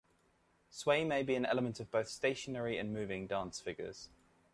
Sway may be an element of both stationary and moving dance figures.